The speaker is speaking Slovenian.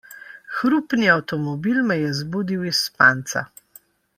Hrupni avtomobil me je zbudil iz spanca.